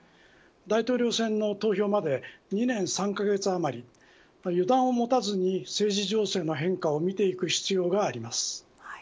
大統領選の投票まで２年３カ月余り予断を持たずに政治情勢の変化を見ていく必要があります。